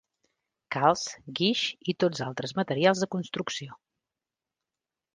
Calç, guix i tots altres materials de construcció.